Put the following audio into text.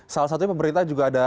salah satunya pemerintah juga ada